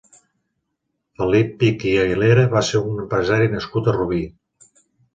Felip Pich i Aguilera va ser un empresari nascut a Rubí.